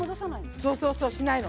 そうそうそうしないの。